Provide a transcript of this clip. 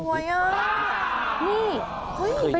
สวยอ่ะ